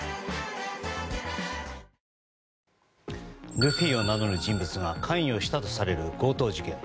ルフィを名乗る人物が関与したとされる強盗事件。